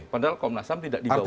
padahal komnas ham tidak dibawah dpr